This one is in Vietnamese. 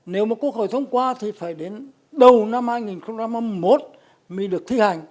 nếu mà quốc hội thông qua thì phải đến đầu năm hai nghìn hai mươi một mới được thi hành